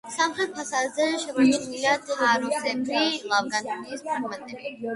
სამხრეთ ფასადზე შემორჩენილია თაროსებრი ლავგარდნის ფრაგმენტები.